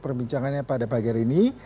perbincangannya pada pagi hari ini